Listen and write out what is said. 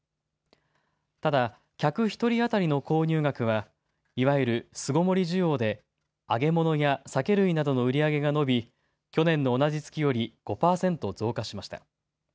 ただ、客１人当たりの購入額は、いわゆる巣ごもり需要で揚げ物や酒類などの売り上げが伸び、去年の同じ月より５％増加しました。